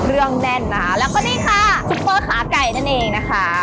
แน่นนะคะแล้วก็นี่ค่ะซุปเปอร์ขาไก่นั่นเองนะคะ